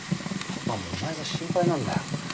パパもお前が心配なんだよ。